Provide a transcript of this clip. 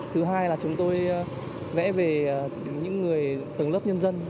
thứ hai là chúng tôi vẽ về những người tầng lớp nhân dân